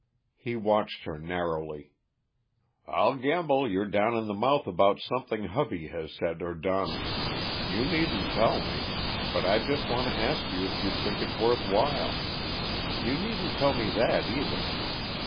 He watched her narrowly. "I'll gamble you're down in the mouth about something hubby has said or done. You needn't tell me but I just want to ask you if you think it's worth while? You needn't tell me that, either.